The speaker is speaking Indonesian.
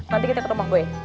nanti kita ke rumah boy